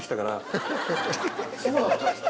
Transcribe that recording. そうだったんですか？